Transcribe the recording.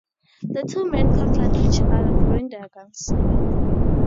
The two men confront each other, drawing their guns.